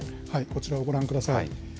こちらをご覧ください。